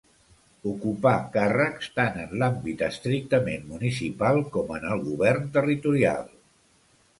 Ocupà càrrecs tant en l'àmbit estrictament municipal com en el govern territorial.